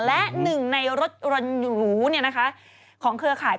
และหนึ่งในรถยนต์หรูของเครือข่าย